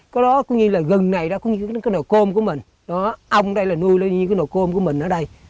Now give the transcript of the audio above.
cái đó cũng như là rừng này đó cũng như cái nồi cơm của mình ong đây là nuôi nó như cái nồi cơm của mình ở đây